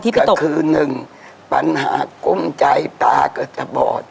ก็คือหนึ่งปัญหากุ้มใจตาก็จะบอด